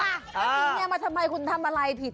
แล้วกินเมียมาทำไมคุณทำอะไรผิด